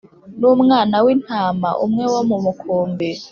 n umwana w intama umwe wo mu mukumbi